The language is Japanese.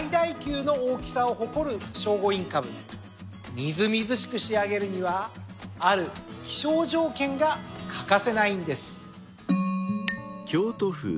みずみずしく仕上げるにはある気象条件が欠かせないんです。